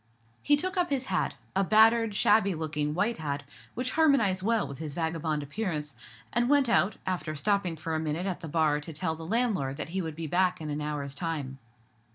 He took up his hat—a battered, shabby looking white hat, which harmonized well with his vagabond appearance—and went out, after stopping for a minute at the bar to tell the landlord that he would be back in an hour's time.